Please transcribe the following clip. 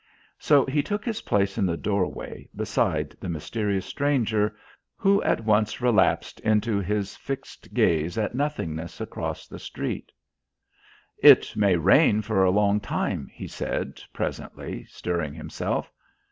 So he took his place in the doorway beside the mysterious stranger, who at once relapsed into his fixed gaze at nothingness across the street. "It may rain for a long time," he said presently, stirring himself.